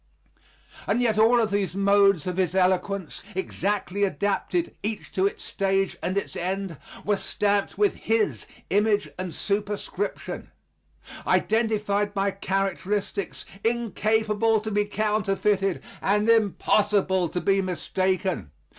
And yet all these modes of his eloquence, exactly adapted each to its stage and its end, were stamped with his image and superscription, identified by characteristics incapable to be counterfeited and impossible to be mistaken.